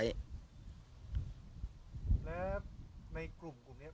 แล้วในกลุ่มนี้